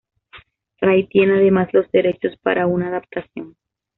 Rai tiene además los derechos para una adaptación.